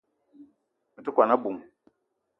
Me te kwuan a-bum